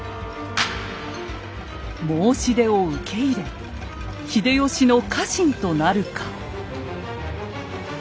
申し出を受け入れ秀吉の家臣となるか。